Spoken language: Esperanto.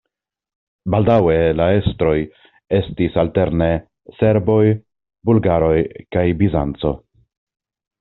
Baldaŭe la estroj estis alterne serboj, bulgaroj kaj Bizanco.